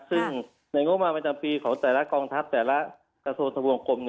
ซึ่งในงมปของแต่ละกองทัพแต่ละกระโสธวงค์กรม